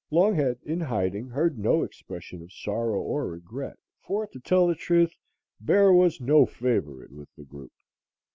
Longhead in hiding heard no expressions of sorrow or regret, for, to tell the truth, Bear was no favorite with the group.